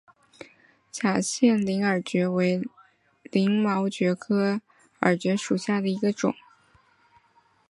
假线鳞耳蕨为鳞毛蕨科耳蕨属下的一个种。